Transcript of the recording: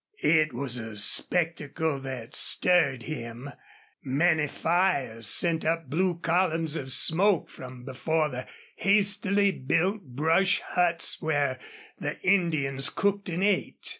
It was a spectacle that stirred him. Many fires sent up blue columns of smoke from before the hastily built brush huts where the Indians cooked and ate.